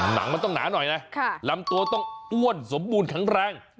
หนังมันต้องหนาหน่อยนะลำตัวต้องอ้วนสมบูรณ์แข็งแรง